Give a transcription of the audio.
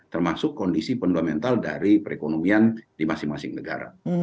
termasuk kondisi fundamental dari perekonomian di masing masing negara